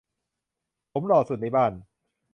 ผมหล่อสุดในบ้าน